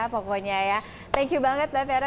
pokoknya ya thank you banget mbak ferry